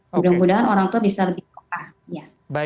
mudah mudahan orang tua bisa lebih kokah ya